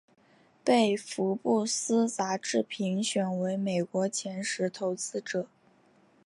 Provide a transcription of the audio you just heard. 被福布斯杂志评选为美国前十投资者。